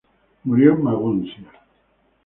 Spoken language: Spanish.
Murió en Maguncia.